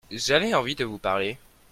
j'avais envie de vous parler.